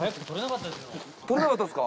撮れなかったですか？